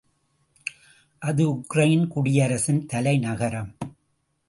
அது உக்ரைன் குடியரசின் தலைநகரம்.